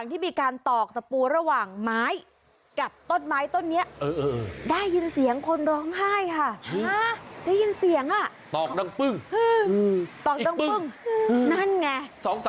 ตอกดังปึ้งตอกดังปึ้งนั่นไง๒๓ปึ้งนั่นไง